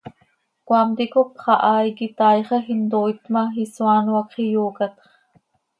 Cmaam ticop xahaai quih taaixaj, intooit ma, isoaano hacx iyoocatx.